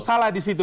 salah di situ